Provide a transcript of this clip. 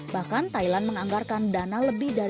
bahkan thailand menganggarkan dana lebih dari